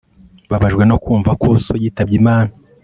Mbabajwe no kumva ko so yitabye Imana